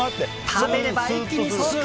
食べれば一気に爽快！